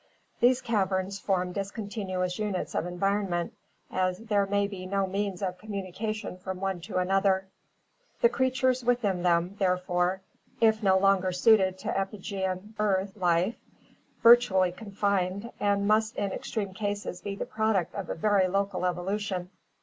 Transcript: These caverns form discontinuous units of environment, as there may be no means of communication from one to another. 368 CAVE AND DEEP SEA LIFE 369 The creatures within them, therefore, if do longer suited to epigean (Gr. hrCt on, and 71}, earth) life, are virtually confined and must in extreme cases be the product of a very local evolution.